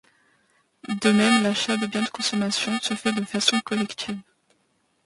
De même, l’achat des biens de consommation se fait de façon collective.